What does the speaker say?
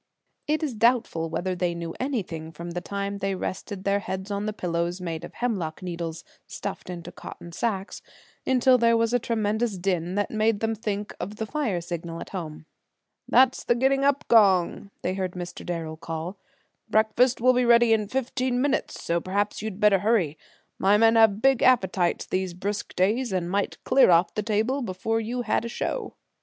It is doubtful whether they knew anything from the time they rested their heads on the pillows, made of hemlock needles stuffed into cotton sacks, until there was a tremendous din that made them think of the fire signal at home. "That's the getting up gong!" they heard Mr. Darrel call. "Breakfast will be ready in fifteen minutes, so perhaps you'd better hurry. My men have big appetites these brisk days, and might clear off the table before you had a show."